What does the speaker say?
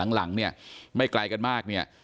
หลังเนี่ยไม่ไกลกันมากเนี่ย